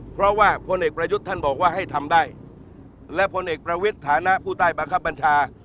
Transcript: เพราะว่าพลเอกประยุทธ์ท่านบอกว่าให้ทำได้และพลเอกประวิทย์ฐานะผู้ใต้บังคับบัญชา